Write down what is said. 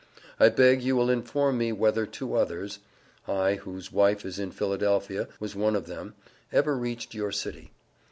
I beg you will inform me whether two others (I., whose wife is in Philadelphia, was one of them), ever reached your city.